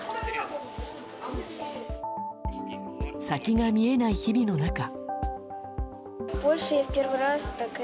先が見えない日々の中。